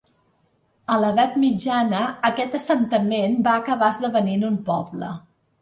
A l'edat mitjana, aquest assentament va acabar esdevenint un poble.